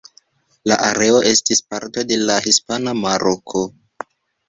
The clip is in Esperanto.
La areo estis parto de la Hispana Maroko.